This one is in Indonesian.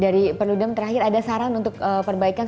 dari perludem terakhir ada saran untuk perbaikan